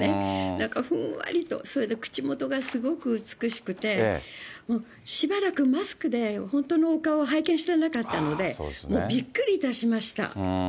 なんかふんわりと、それで口元がすごく美しくて、もう、しばらくマスクで本当のお顔を拝見してなかったので、もうびっくりいたしました。